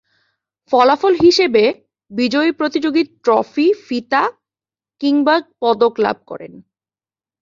ফলাফল হিসেবে বিজয়ী প্রতিযোগী ট্রফি, ফিতা কিংবা পদক লাভ করেন।